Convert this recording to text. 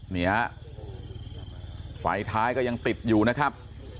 เนี่ยไฟท้ายก็ยังติดอยู่นะครับ